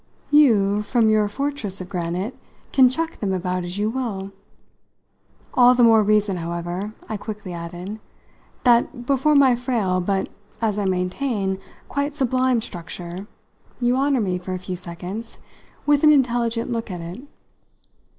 "You, from your fortress of granite, can chuck them about as you will! All the more reason, however," I quickly added, "that, before my frail, but, as I maintain, quite sublime structure, you honour me, for a few seconds, with an intelligent look at it.